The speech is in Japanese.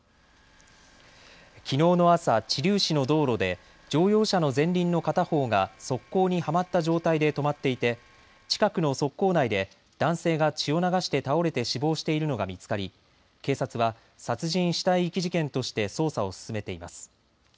きのうの朝、知立市の道路で乗用車の前輪の片方が側溝にはまった状態で止まっていて近くの側溝内で男性が血を流して倒れて死亡しているのが見つかり警察は殺人死体遺棄事件として捜査を進めています。